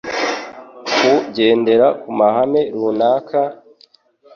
kugendera ku mahame runaka,